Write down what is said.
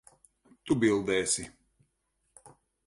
Tu bildēsi.